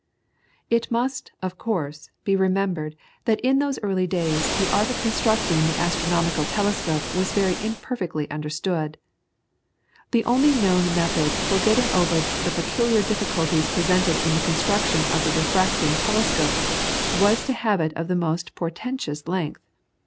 It must, of course, be remembered that in those early days the art of constructing the astronomical telescope was very imperfectly understood. The only known method for getting over the peculiar difficulties presented in the construction of the refracting telescope, was to have it of the most portentous length.